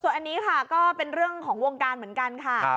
ส่วนอันนี้ค่ะก็เป็นเรื่องของวงการเหมือนกันค่ะ